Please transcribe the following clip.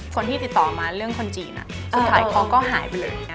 คนที่ติดต่อมาเรื่องคนจีนสุดท้ายเขาก็หายไปเลยนะ